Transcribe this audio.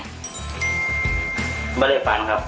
ไม่ได้ฝันครับ